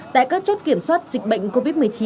tại các chốt kiểm soát dịch bệnh covid một mươi chín